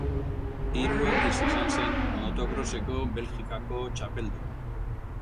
Hiru aldiz izan zen moto-kroseko Belgikako txapeldun.